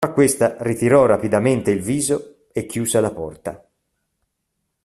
Ma questa ritirò rapidamente il viso e chiuse la porta.